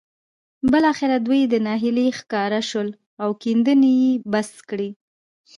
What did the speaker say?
بالاخره دوی د ناهيلۍ ښکار شول او کيندنې يې بس کړې.